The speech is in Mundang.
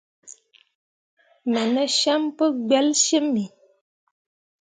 Me ne cem pu gbelsyimmi.